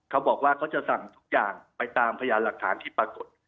เขาบอกว่าเขาจะสั่งทุกอย่างไปตามพยานหลักฐานที่ปรากฏ